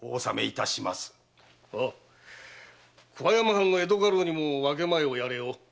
藩・江戸家老にも分け前をやれよ。